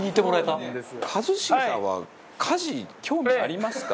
バカリズム：一茂さんは家事、興味ありますか？